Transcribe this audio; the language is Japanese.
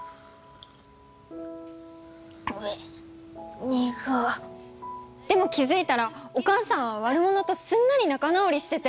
うぇにがでも気付いたらお母さんは悪者とすんなり仲直りしてて。